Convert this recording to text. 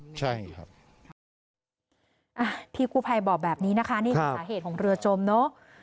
ใช่ครับอ่ะพี่กู้ภัยบอกแบบนี้นะคะนี่คือสาเหตุของเรือจมเนอะ